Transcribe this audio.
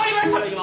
今！